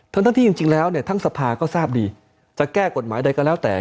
ทั้งที่จริงแล้วเนี่ยทั้งสภาก็ทราบดีจะแก้กฎหมายใดก็แล้วแต่